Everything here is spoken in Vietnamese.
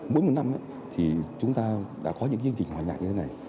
mỗi một năm thì chúng ta đã có những chương trình hòa nhạc như thế này